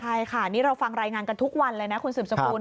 ใช่ค่ะนี่เราฟังรายงานกันทุกวันเลยนะคุณสืบสกุล